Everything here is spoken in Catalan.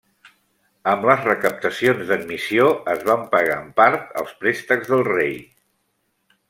Amb les recaptacions d'admissió es van pagar en part els préstecs del rei.